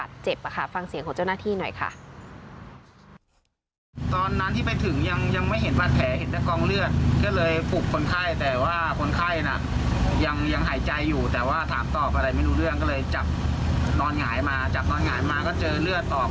แต่ว่าถามตอบอะไรไม่รู้เรื่องก็เลยจับนอนหงายมาจับนอนหงายมาก็เจอเลือดออก